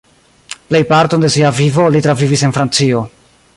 Plejparton de sia vivo li travivis en Francio.